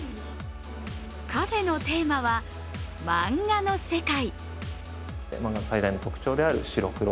カフェのテーマは漫画の世界。